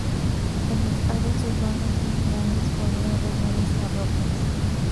En las áreas urbanas más grandes podían haber varias parroquias.